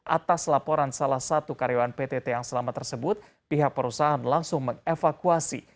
atas laporan salah satu karyawan ptt yang selamat tersebut pihak perusahaan langsung mengevakuasi